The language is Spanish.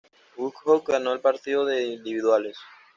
Woodhouse ganó el partido de individuales.